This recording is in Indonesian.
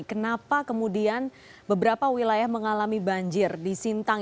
kenapa kemudian beberapa wilayah mengalami banjir di sintang